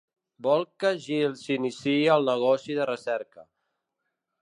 Vol que Jill s'iniciï al negoci de recerca.